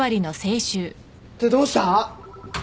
ってどうした！？